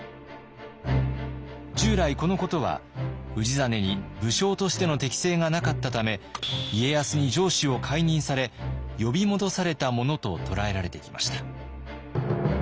従来このことは氏真に武将としての適性がなかったため家康に城主を解任され呼び戻されたものと捉えられてきました。